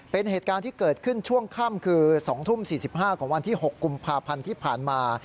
เป็นเหตุการณ์ที่เกิดขึ้นช่วงค่ำคือ๒ทุ่ม๔๕ของวันที่๖กุมภาพันธ์ที่ผ่านมา